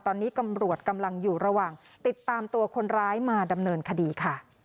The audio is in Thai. ตอนนี้ตำรวจกำลังอยู่ระหว่างติดตามตัวคนร้ายมาดำเนินคดีค่ะ